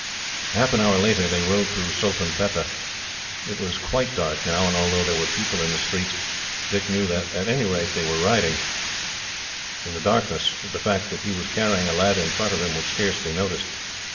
Half an hour later, they rode through Sultanpetta. It was quite dark now, and although there were people in the streets, Dick knew that at the rate they were riding, in the darkness, the fact that he was carrying a lad in front of him would scarce be noticed.